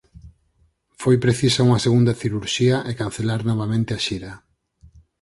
Foi precisa unha segunda cirurxía e cancelar novamente a xira.